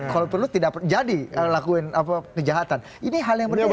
kalau perlu tidak jadi lakuin kejahatan ini hal yang berbeda